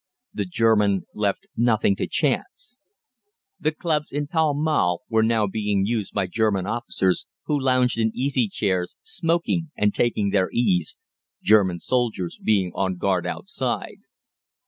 The German left nothing to chance. The clubs in Pall Mall were now being used by German officers, who lounged in easy chairs, smoking and taking their ease, German soldiers being on guard outside.